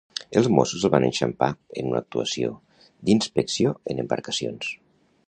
Els Mossos el van enxampar en una actuació d'inspecció en embarcacions.